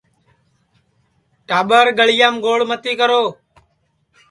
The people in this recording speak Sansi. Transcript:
ٹاٻرگݪڑیام گوڑ متی کرو